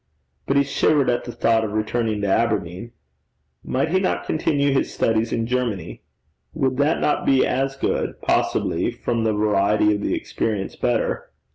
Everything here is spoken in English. But he shivered at the thought of returning to Aberdeen. Might he not continue his studies in Germany? Would that not be as good possibly, from the variety of the experience, better?